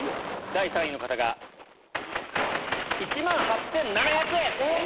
第３位の方が１万８７００円。